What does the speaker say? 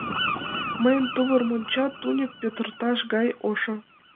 Мыйын тувыр монча тӱньык петыртыш гай «ошо».